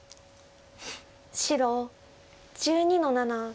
白１２の七ハネ。